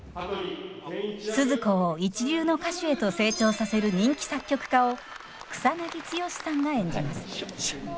スズ子を一流の歌手へと成長させる人気作曲家を草剛さんが演じます。